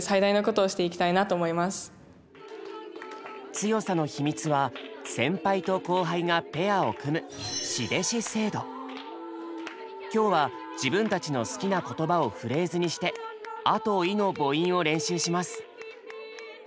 強さの秘密は先輩と後輩がペアを組む今日は自分たちの好きな言葉をフレーズにして「ア」と「イ」の母音を練習します。